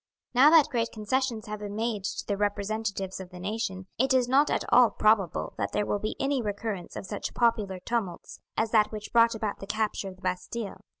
Now that great concessions have been made to the representatives of the nation, it is not at all probable that there will be any recurrence of such popular tumults as that which brought about the capture of the Bastille.